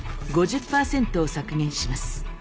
５０％を削減します。